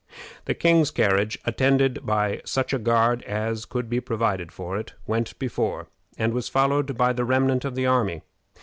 The king's carriage, attended by such a guard as could be provided for it, went before, and was followed by the remnant of the army.